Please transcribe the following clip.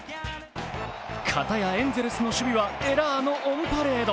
かたやエンゼルスの守備はエラーのオンパレード。